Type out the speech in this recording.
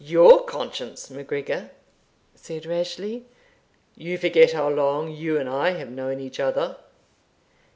"Your conscience, MacGregor!" said Rashleigh; "you forget how long you and I have known each other."